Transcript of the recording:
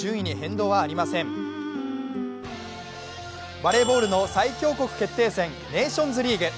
バレーボールの最強国決定戦ネーションズリーグ。